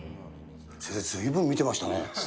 先生、ずいぶん見てましたね。